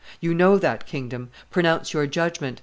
You know that kingdom. Pronounce your judgment.